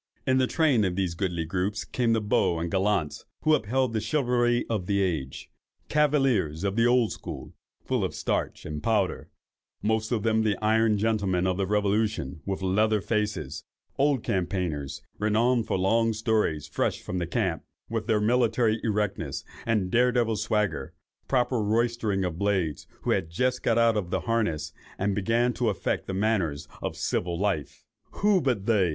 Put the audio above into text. "In the train of these goodly groups came the beaux and gallants, who upheld the chivalry of the age; cavaliers of the old school, full of starch and powder, most of them the iron gentlemen of the revolution, with leather faces—old campaigners, renowned for long stories, fresh from the camp, with their military erectness and daredevil swagger; proper roystering blades, who had just got out of the harness, and began to affect the manners of civil life. Who but they!